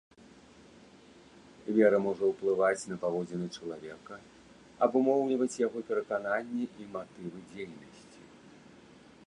Вера можа ўплываць на паводзіны чалавека, абумоўліваць яго перакананні і матывы дзейнасці.